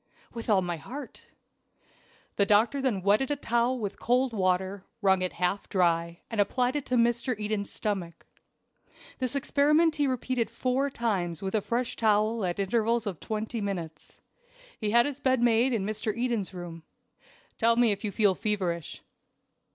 "With all my heart." The doctor then wetted a towel with cold water, wrung it half dry, and applied it to Mr. Eden's stomach. This experiment he repeated four times with a fresh towel at intervals of twenty minutes. He had his bed made in Mr. Eden's room. "Tell me if you feel feverish."